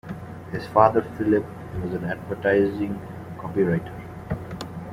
His father, Philip, was an advertising copywriter.